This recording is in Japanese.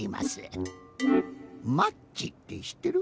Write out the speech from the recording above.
マッチってしってる？